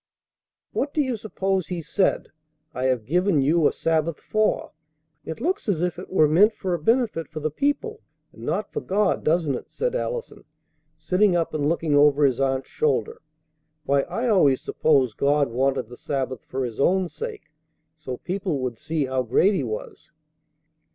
"What do you suppose He said, 'I have given you a sabbath' for? It looks as if it were meant for a benefit for the people and not for God, doesn't it?" said Allison, sitting up and looking over his aunt's shoulder. "Why, I always supposed God wanted the Sabbath for His own sake, so people would see how great He was."